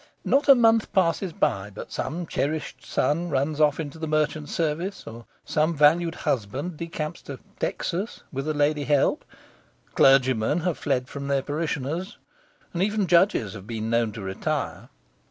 Not a month passes by but some cherished son runs off into the merchant service, or some valued husband decamps to Texas with a lady help; clergymen have fled from their parishioners; and even judges have been known to retire.